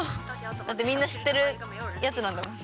だってみんな知ってるやつなんだもんね。